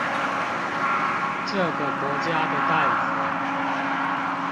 這個國家的擔子